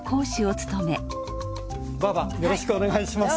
よろしくお願いします。